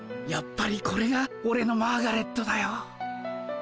やっぱりこれがオレのマーガレットだよ。